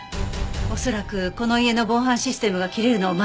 恐らくこの家の防犯システムが切れるのを待っていたんだと思う。